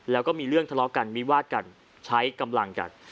แล้วก็มีเรื่องทะเลาะกันวิวาดกันใช้กำลังกัน